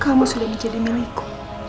kamu sudah menjadi milikku